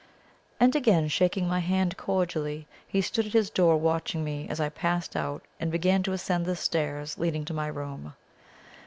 And again shaking my hand cordially, he stood at his door watching me as I passed out and began to ascend the stairs leading to my room.